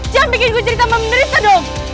jangan bikin gue cerita menderita dong